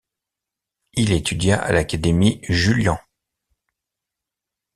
Il étudia à l'Académie Julian.